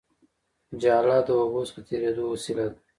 جاله د اوبو څخه تېرېدو وسیله ده